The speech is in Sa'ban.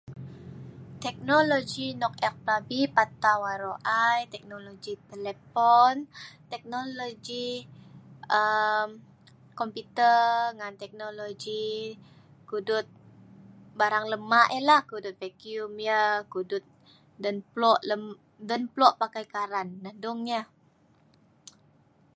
Teknologi nok e’ik plabi patau arok ai teknologi telepon, teknologi aa..komputer ngan teknologi kudut barang lem mak ai lah kudut vacum yeh kudut den plok lem den plok pakai karen. Neh dung nyeh